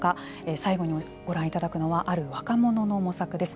最後にご覧いただくのはある若者の模索です。